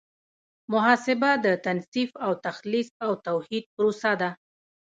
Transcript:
محاسبه د تنصیف او تخلیص او توحید پروسه ده.